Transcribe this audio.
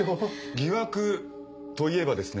疑惑といえばですね